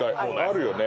あるよね。